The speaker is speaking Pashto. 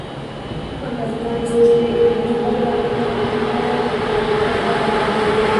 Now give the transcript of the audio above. ازادي راډیو د د مخابراتو پرمختګ په اړه د ښځو غږ ته ځای ورکړی.